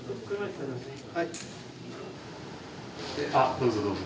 どうぞどうぞ。